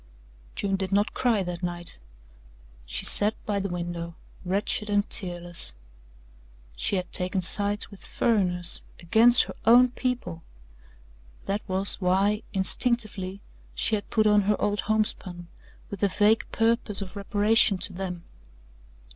June did not cry that night. She sat by the window wretched and tearless. She had taken sides with "furriners" against her own people. That was why, instinctively, she had put on her old homespun with a vague purpose of reparation to them.